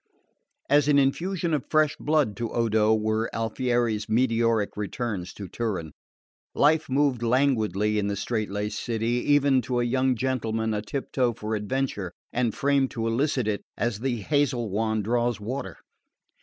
As an infusion of fresh blood to Odo were Alfieri's meteoric returns to Turin. Life moved languidly in the strait laced city, even to a young gentleman a tiptoe for adventure and framed to elicit it as the hazel wand draws water.